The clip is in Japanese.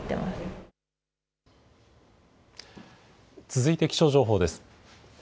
続いて気象情報です。